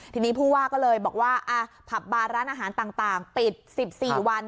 ทีนี้ผู้ว่าก็เลยบอกว่าผับบาร์ร้านอาหารต่างปิด๑๔วัน